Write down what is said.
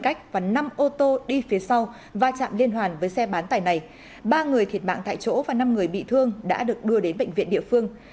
các quan chức cho biết là một xe bán tải đi theo hướng bắc đã đâm và giải phóng